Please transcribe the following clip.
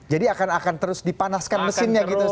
jadi akan terus dipanaskan mesinnya gitu